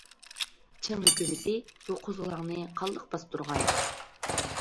چىڭ ھۆكۈمىتى بۇ قوزغىلاڭنى قانلىق باستۇرغان.